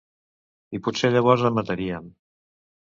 I potser llavors em matarien.